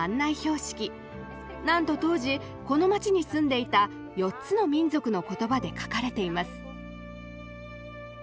なんと当時この街に住んでいた４つの民族の言葉で書かれています。